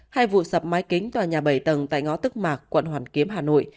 hai vụ sập mái kính tòa nhà bảy tầng tại ngõ tức mạc quận hoàn kiếm hà nội